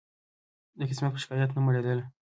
د قسمت په شکایت نه مړېدله